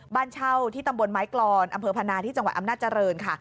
บ้านเช่าที่ตำบลไม้กรอนอำเภอพนาที่จังหวัดอำนาจริงค่ะ